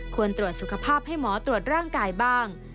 ควรตรวจสุขภาพให้หมอตรวจร่างกายบ้าง